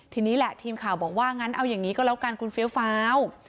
ทีนี้แหละทีมข่าวบอกว่างั้นเอาอย่างนี้ก็แล้วกันคุณเฟี้ยวฟ้าว